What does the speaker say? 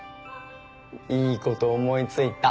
いいこと思い付いた。